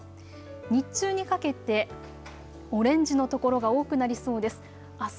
日中にかけてオレンジの所が多くなりそうです。